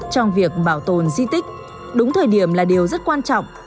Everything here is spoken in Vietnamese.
trong việc bảo tồn di tích đúng thời điểm là điều rất quan trọng